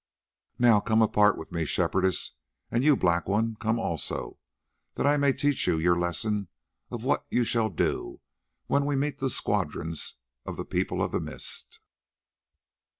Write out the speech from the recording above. Now come apart with me, Shepherdess, and you, Black One, come also, that I may teach you your lesson of what you shall do when we meet the squadrons of the People of the Mist."